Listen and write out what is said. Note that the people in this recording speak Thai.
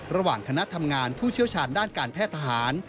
ระหว่างคณะทำงานผู้เชี่ยวชาญด้านการแพทย์ทหาร